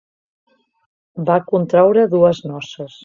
Va contraure dues noces.